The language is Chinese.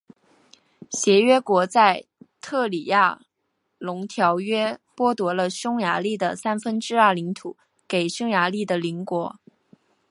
协约国在特里亚农条约剥夺了匈牙利的三分之二领土给匈牙利的邻国。